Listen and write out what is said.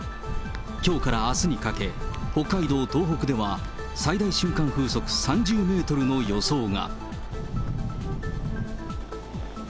きょうからあすにかけ、北海道、東北では最大瞬間風速３０メートルの予想が。